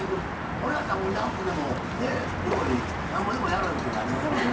これやったら夏でも料理なんぼでもやる気になりますよね。